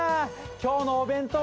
今日のお弁当はね